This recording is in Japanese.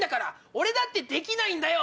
俺だってできないんだよ！